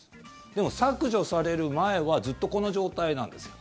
でも、削除される前はずっとこの状態なんですよ。